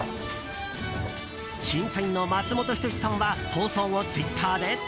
審査員の松本人志さんは放送後、ツイッターで。